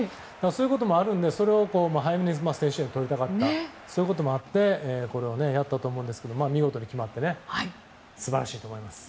嫌なムードってあるので早めに点を取りたかったということもあってやったと思うんですが見事に決まって素晴らしいと思います。